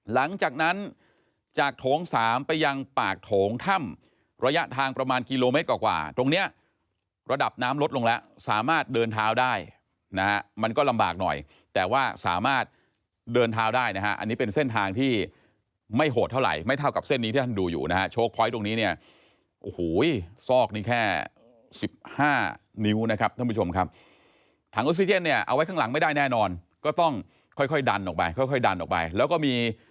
หลังจากนั้นจากโถง๓ไปยังปากโถงท่ำระยะทางประมาณกิโลเมตรกว่าตรงนี้ระดับน้ำลดลงแล้วสามารถเดินเท้าได้นะมันก็ลำบากหน่อยแต่ว่าสามารถเดินเท้าได้นะฮะอันนี้เป็นเส้นทางที่ไม่โหดเท่าไหร่ไม่เท่ากับเส้นนี้ที่ท่านดูอยู่นะฮะโชคพอยต์ตรงนี้เนี่ยโอ้โหซอกนี้แค่๑๕นิ้วนะครับท่านผู้ชมครับ